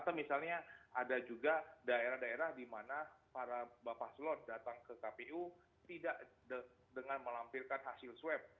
atau misalnya ada juga daerah daerah di mana para bapak slon datang ke kpu tidak dengan melampirkan hasil swab